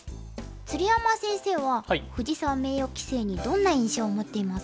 鶴山先生は藤沢名誉棋聖にどんな印象を持っていますか？